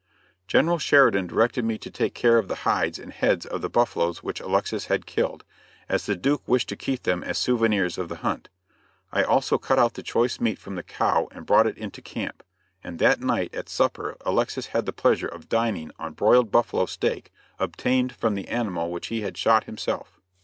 General Sheridan directed me to take care of the hides and heads of the buffaloes which Alexis had killed, as the Duke wished to keep them as souvenirs of the hunt. I also cut out the choice meat from the cow and brought it into camp, and that night at supper Alexis had the pleasure of dining on broiled buffalo steak obtained from the animal which he had shot himself.